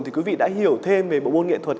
thì quý vị đã hiểu thêm về bộ môn nghệ thuật